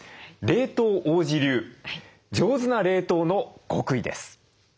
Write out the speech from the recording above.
冷凍王子流上手な冷凍の極意です。